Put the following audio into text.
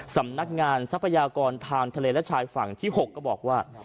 สำนักงานทรัพยากรทางทะเลและชายฝั่งที่๖ก็บอกว่า